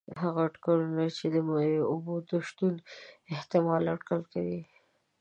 هغه اټکلونه د مایع اوبو د شتون احتمال اټکل کوي.